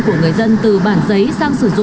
của người dân từ bản giấy sang sử dụng